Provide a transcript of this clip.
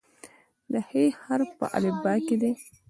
د "ح" حرف په الفبا کې دی.